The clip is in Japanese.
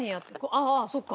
ああああそっか。